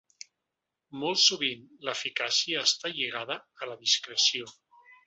Molt sovint l’eficàcia està lligada a la discreció.